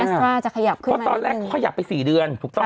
แอสตราจะขยับขึ้นมานิดหนึ่งนะครับตอนแรกขยับไป๔เดือนถูกต้อง